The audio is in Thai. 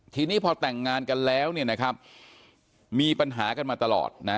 ทีนี้พอแต่งงานกันแล้วเนี่ยนะครับมีปัญหากันมาตลอดนะ